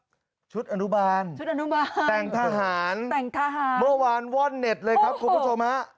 เป็นชุดอัณุบานทางทหารว่านว่อนเน็ตเลยครับคุณผู้ชมหา